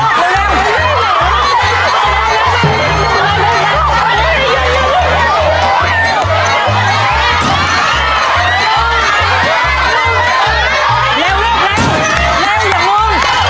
ถ้าพร้อมแล้วเริ่มครับ